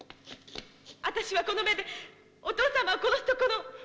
私はこの目でお父様を殺すところを！